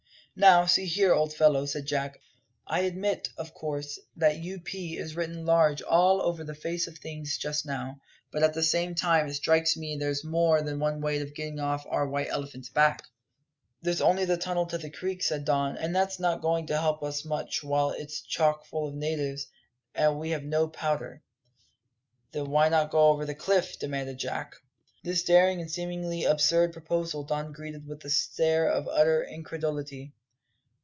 "Now, see here, old' fellow," said Jack; "I admit, of course, that U.P. is written large all over the face of things just now; but at the same time it strikes me there's more than one way of getting off our white elephant's back." "There's only the tunnel to the creek," said Don, "and that's not going to help us much while it's chock full of natives, and we have no powder." "Then why not go over the cliff?" demanded Jack. This daring and seemingly absurd proposal Don greeted with a stare of utter incredulity.